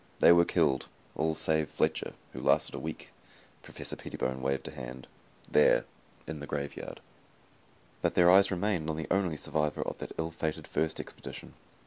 They were killed, all save Fletcher, who lasted a week." Professor Pettibone waved a hand. "There in the graveyard." But their eyes remained on the only survivor of that ill fated first expedition.